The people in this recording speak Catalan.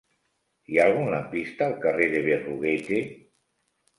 Hi ha algun lampista al carrer de Berruguete?